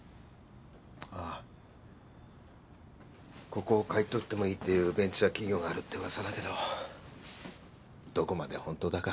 あぁここを買い取ってもいいっていうベンチャー企業があるってうわさだけどどこまで本当だか。